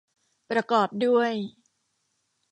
ประกอบด้วย